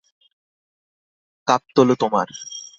Cup তোলো তোমার!